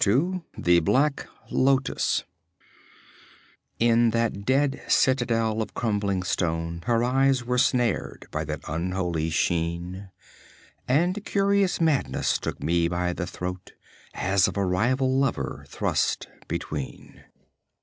2 The Black Lotus _In that dead citadel of crumbling stone Her eyes were snared by that unholy sheen, And curious madness took me by the throat, As of a rival lover thrust between.